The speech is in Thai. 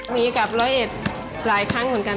มีกับร้อยเอ็ดหลายครั้งเหมือนกัน